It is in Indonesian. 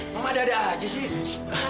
mama ada ada aja sih